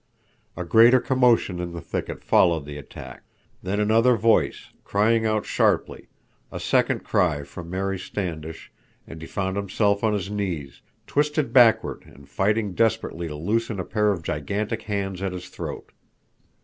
A greater commotion in the thicket followed the attack; then another voice, crying out sharply, a second cry from Mary Standish, and he found himself on his knees, twisted backward and fighting desperately to loosen a pair of gigantic hands at his throat.